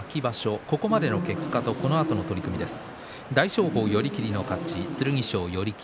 ここまでの結果とこのあとの取組です。